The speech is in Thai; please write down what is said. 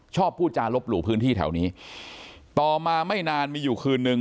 พูดจารบหลู่พื้นที่แถวนี้ต่อมาไม่นานมีอยู่คืนนึง